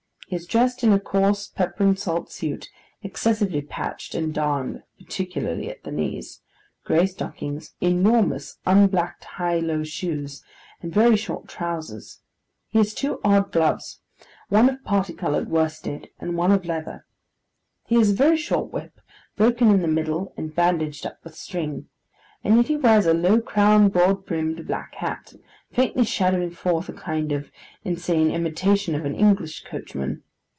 He is dressed in a coarse pepper and salt suit excessively patched and darned (particularly at the knees), grey stockings, enormous unblacked high low shoes, and very short trousers. He has two odd gloves: one of parti coloured worsted, and one of leather. He has a very short whip, broken in the middle and bandaged up with string. And yet he wears a low crowned, broad brimmed, black hat: faintly shadowing forth a kind of insane imitation of an English coachman!